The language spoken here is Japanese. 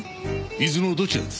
伊豆のどちらです？